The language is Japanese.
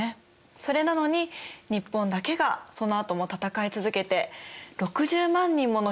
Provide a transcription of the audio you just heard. それなのに日本だけがそのあとも戦い続けて６０万人もの人が犠牲になった。